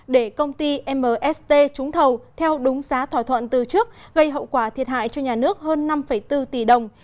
để công ty mst trúng thầu theo đúng giá thỏa thuận từ trước gây hậu quả thiệt hại cho nhà nước hơn năm bốn tỷ đồng